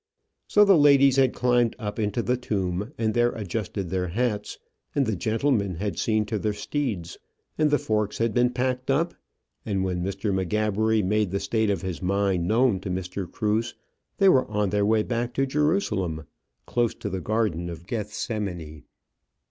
So the ladies had climbed up into the tomb and there adjusted their hats, and the gentlemen had seen to the steeds; and the forks had been packed up; and when Mr. M'Gabbery made the state of his mind known to Mr. Cruse, they were on their way back to Jerusalem, close to the garden of Gethsemane.